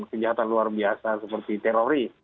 kejahatan luar biasa seperti teroris